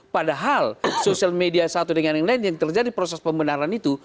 padahal sosial media satu dengan yang lain yang terjadi proses pembenaran itu